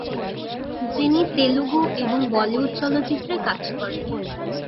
যিনি তেলুগু এবং বলিউড চলচ্চিত্রে কাজ করেন।